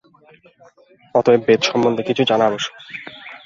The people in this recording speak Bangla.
অতএব বেদ সম্বন্ধে কিছু জানা আবশ্যক।